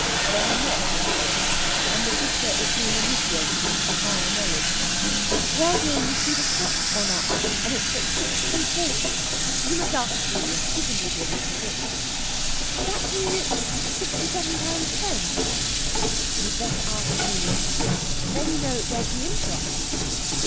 They are not analogous, and Lætitia is being initiated into the higher knowledge. "Well, dear, you see the stock has gone up, and it's at six three quarters. You must ask Julius. He can do the arithmetic." "Does that mean it's sixty seven pounds ten?" "You'd better ask Julius. Then, you know, there's the interest."